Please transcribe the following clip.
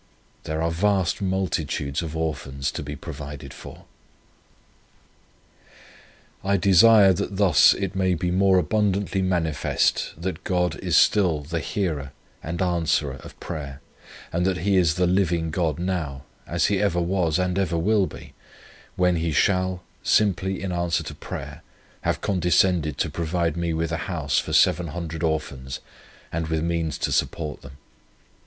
There are vast multitudes of Orphans to be provided for. "I desire that thus it may be more abundantly manifest that God is still the hearer and answerer of prayer, and that He is the living God now, as He ever was and ever will be, when He shall, simply in answer to prayer, have condescended to provide me with a house for 700 Orphans, and with means to support them.